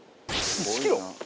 １キロ。